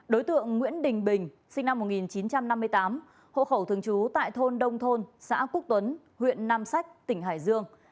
đối tượng nguyễn đình bình sinh năm một nghìn chín trăm năm mươi tám hộ khẩu thường trú tại thôn đông thôn xã quốc tuấn huyện nam sách tỉnh hải dương